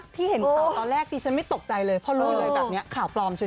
เห็นข่าวตอนแรกดิฉันไม่ตกใจเลยเพราะรู้เลยแบบนี้ข่าวปลอมเฉย